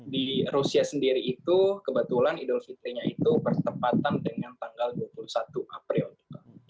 di rusia sendiri itu kebetulan idul fitrinya itu bertepatan dengan tanggal dua puluh satu april juga